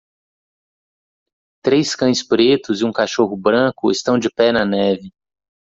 Três cães pretos e um cachorro branco estão de pé na neve.